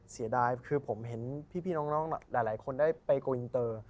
เสียดายคือผมเห็นพี่น้องหลายคนได้ไปโกวินเตอร์